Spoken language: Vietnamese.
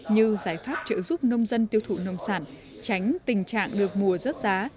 như giải pháp trợ giúp nông dân tiêu thụ nông sản tránh tình trạng được mùa rớt giá